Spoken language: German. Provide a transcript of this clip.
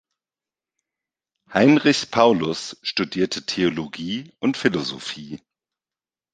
Heinrich Paulus studierte Theologie und Philosophie.